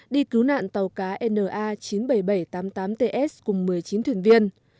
đi cứu nạn tàu cá na chín mươi bảy nghìn bảy trăm tám mươi tám ts cùng một mươi chín thuyền viên